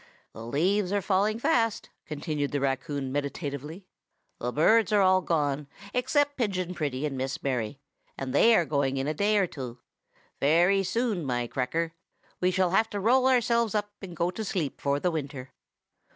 "The leaves are falling fast," continued the raccoon meditatively; "the birds are all gone, except Pigeon Pretty and Miss Mary, and they are going in a day or two. Very soon, my Cracker, we shall have to roll ourselves up and go to sleep for the winter.